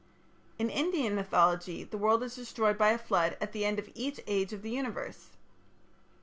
In Indian mythology the world is destroyed by a flood at the end of each Age of the Universe.